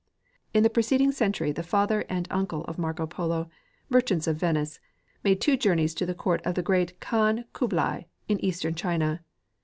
In the preceding century the father and uncle of Marco Polo, merchants of Venice, made two journeys to the court of the great Khan Kublai, in eastern China.